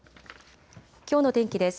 きょうの天気です。